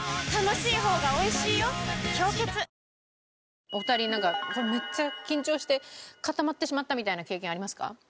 氷結お二人なんかめっちゃ緊張して固まってしまったみたいな経験ありますか？